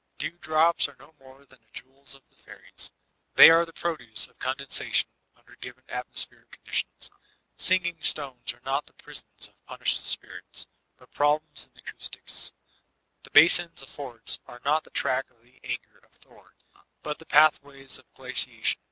Dewdrops are no more the jewels of the fairies ; they are the produce of condensation under given atmospheric conditions. Singing stones are not the prisons of punished spirits, but problems in acoustics. The basins of fjords are not the track of the anger of Thor, but the pathways of gladation.